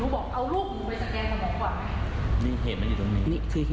หนูบอกเอาลูกหนูไปสแกนกับหมอก่อนไหม